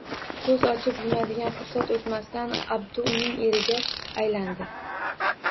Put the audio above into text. Ko`z ochib yumadigan fursat o`tmasidan Abdu uning eriga aylandi